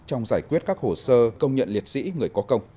trong giải quyết các hồ sơ công nhận liệt sĩ người có công